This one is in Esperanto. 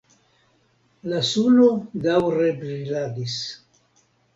La suno daŭre briladis.